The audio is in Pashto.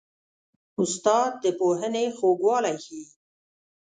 استاد د پوهنې خوږوالی ښيي.